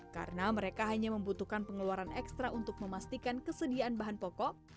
karena mereka hanya membutuhkan pengeluaran ekstra untuk memastikan kesediaan bahan pokok